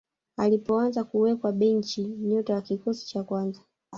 alipoanza kuwekwa benchi nyota wa kikosi cha kwanza